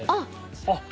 あっ！